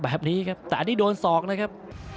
แบบนี้ครับแต่อันนี้โดนศอกนะครับ